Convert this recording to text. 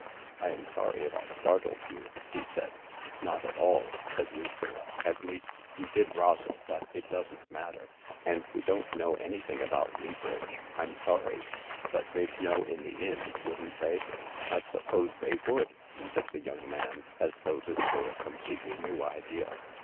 " I am sorry if I startled you," he said. " Not at all," said Lucilla ;" at least, you did rather, but it doesn't matter — and we don't know anything about Lea bridge. I'm sorry. But they'd know in the inn, wouldn't they ?"" I suppose they would," said the young man, as though this were a completely new idea.